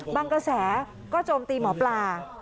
กระแสก็โจมตีหมอปลา